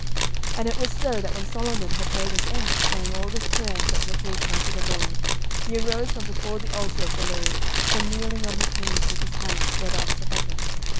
11:008:054 And it was so, that when Solomon had made an end of praying all this prayer and supplication unto the LORD, he arose from before the altar of the LORD, from kneeling on his knees with his hands spread up to heaven.